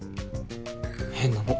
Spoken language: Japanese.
変なのっ。